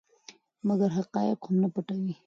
مګر حقایق هم نه پټوي.